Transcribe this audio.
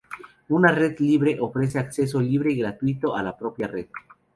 Una Red Libre ofrece acceso libre y gratuito a la propia red.